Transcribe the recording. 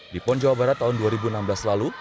di pon jawa barat tahun dua ribu enam belas lalu